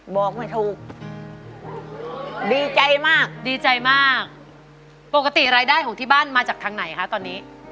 บอกไม่ถูกดีใจมากดีใจมากปกติรายได้ของที่บ้านมาจากทางไหนคะตอนนี้